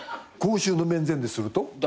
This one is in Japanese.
公衆の面前ですると？